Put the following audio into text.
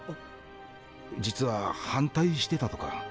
実は反対してたとか。